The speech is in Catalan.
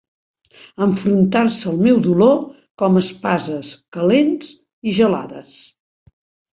Enfrontar-se amb el meu dolor com espases calents i gelades.